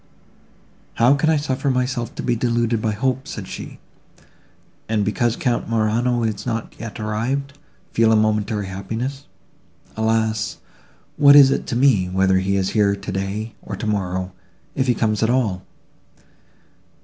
"How can I suffer myself to be deluded by hope," said she, "and, because Count Morano is not yet arrived, feel a momentary happiness? Alas! what is it to me, whether he is here today, or tomorrow, if he comes at all?